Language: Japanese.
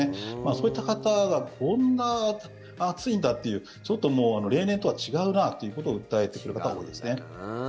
そういった方がこんな暑いんだという例年とは違うなということを訴えている方が多いですね。